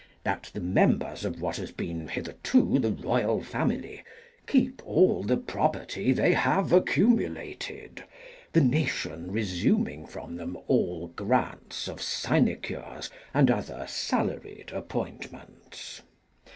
That the mem ers of what has been hitherto the Royal Family keep all the property they have accumulated, the nation resuming from them all grants of sinecures and other salaried appointments.